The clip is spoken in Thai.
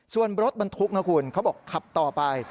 ส่วนรถบรรทุกนะคุณเขาบอกขับต่อไป